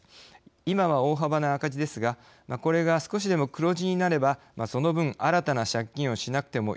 今は大幅な赤字ですがこれが少しでも黒字になればその分新たな借金をしなくてもよいことになります。